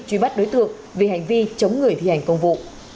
truy bắt đối tượng vì hành vi chống người thi hành công vụ